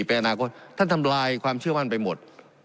เป็นอนาคตท่านทำลายความเชื่อมั่นไปหมด